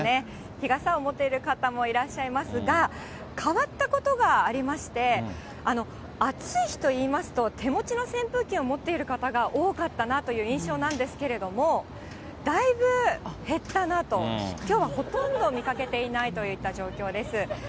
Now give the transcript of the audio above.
日傘を持ってる方もいらっしゃいますが、変わったことがありまして、暑い日といいますと、手持ちの扇風機を持っている方が多かったなという印象なんですけれども、だいぶ減ったなと、きょうはほとんど見かけていないといった状況です。